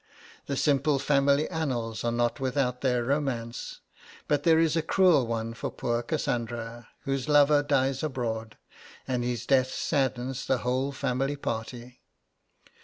The simple family annals are not without their romance; but there is a cruel one for poor Cassandra, whose lover dies abroad, and his death saddens the whole family party.